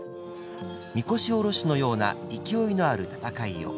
神輿おろしのような勢いのある戦いを。